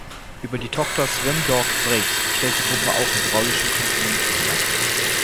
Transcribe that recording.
Über die Tochter "Svendborg Brakes" stellt die Gruppe auch hydraulischen Komponenten her.